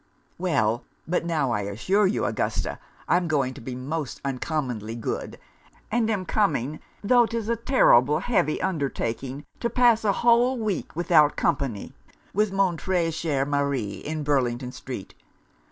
'Well! but now I assure you, Augusta, I'm going to be most uncommonly good; and am coming, tho' 'tis a terrible heavy undertaking, to pass a whole week, without company, with mon tres cher Mari, in Burlington street.